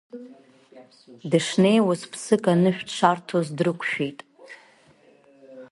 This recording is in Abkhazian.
Дышнеиуаз ԥсык анышә дшарҭоз дрықәшәеит…